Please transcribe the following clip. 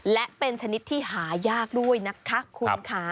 และเป็นชนิดที่หายากด้วยนะคะคุณค่ะ